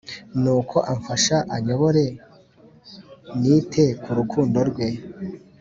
nuko amfasha anyobore, nite ku rukundo rwe.